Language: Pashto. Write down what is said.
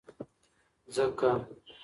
ځکه